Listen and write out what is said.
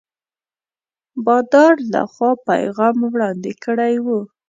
بادار له خوا پیغام وړاندي کړی وو.